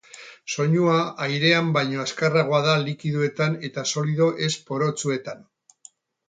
Soinua airean baino azkarragoa da likidoetan eta solido ez-porotsuetan.